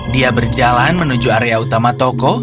dia berjalan menuju area utama toko